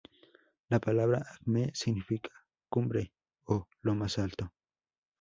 La palabra "acme" significa "cumbre" o "lo más alto".